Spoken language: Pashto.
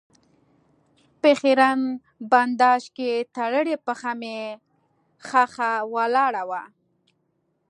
په خېرن بنداژ کې تړلې پښه مې ښخه ولاړه وه.